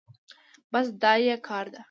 بس دا يې کار ده.